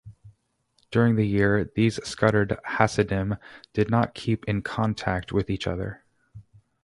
During the year, these scattered Hasidim did not keep in contact with each other.